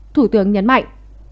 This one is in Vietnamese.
thủ tướng nhấn mạnh